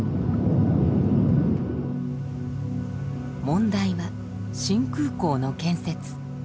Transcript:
問題は新空港の建設。